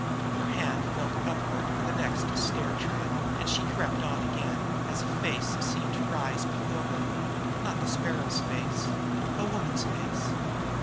Her hand felt upward for the next stair tread, and she crept on again, as a face seemed to rise before her not the Sparrow's face a woman's face.